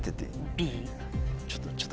Ｂ？